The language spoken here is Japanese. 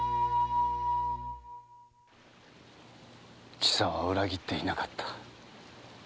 千佐は裏切っていなかった。